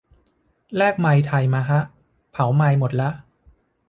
แลกไมล์ไทยมาฮะ เผาไมล์หมดละ